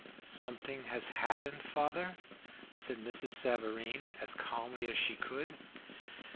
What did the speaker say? "Something has happened, father," said Mrs. Savareen, as calmly as she could.